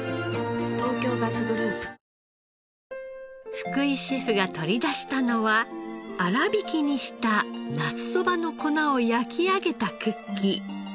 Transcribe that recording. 東京ガスグループ福井シェフが取り出したのは粗挽きにした夏そばの粉を焼き上げたクッキー。